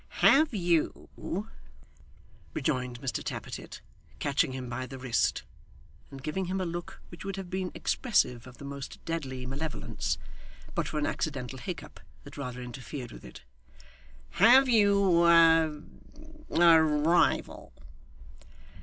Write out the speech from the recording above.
'Have you,' rejoined Mr Tappertit, catching him by the wrist, and giving him a look which would have been expressive of the most deadly malevolence, but for an accidental hiccup that rather interfered with it; 'have you a a rival?